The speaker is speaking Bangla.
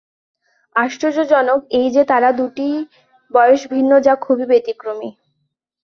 আশ্চর্যজনক এই যে, তারা দুটির বয়স ভিন্ন যা খুবই ব্যতিক্রমী।